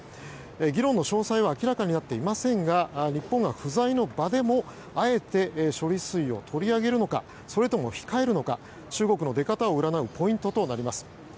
議論の詳細は明らかになっていませんが日本が不在の場でもあえて処理水を取り上げるのかそれとも控えるのか中国の出方を占うポイントとなります。